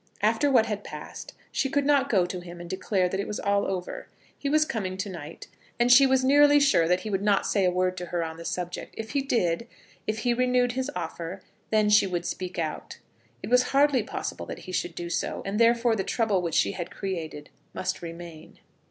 After what had passed she could not go to him and declare that it was all over. He was coming to night, and she was nearly sure that he would not say a word to her on the subject. If he did, if he renewed his offer, then she would speak out. It was hardly possible that he should do so, and therefore the trouble which she had created must remain.